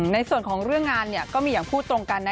ในส่วนของเรื่องงานก็มีอย่างพูดตรงกันนะ